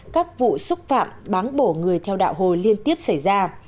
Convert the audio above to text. các vụ xúc phạm bán bổ người theo đạo hồi liên tiếp xảy ra